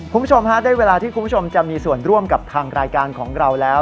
คุณผู้ชมฮะได้เวลาที่คุณผู้ชมจะมีส่วนร่วมกับทางรายการของเราแล้ว